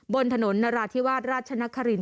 บนถนนนราธิวาสราชนครินท